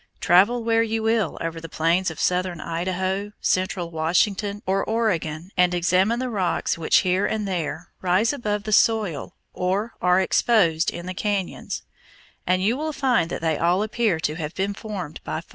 Travel where you will over the plains of southern Idaho, central Washington, or Oregon, and examine the rocks which here and there rise above the soil or are exposed in the cañons, and you will find that they all appear to have been formed by fire.